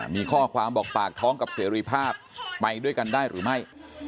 มีข้อความบอกปากท้องกับเสรีภาพไปด้วยกันได้หรือไม่